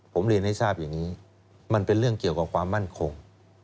ผมเรียนให้ทราบอย่างนี้มันเป็นเรื่องเกี่ยวกับความมั่นคง